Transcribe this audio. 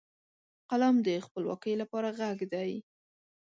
قلم د خپلواکۍ لپاره غږ دی